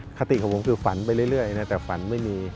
คติของผมคือฝันไปเรื่อยนะแต่ฝันไม่มี